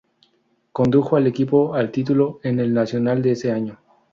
Condujo al equipo al título en el Nacional de ese año.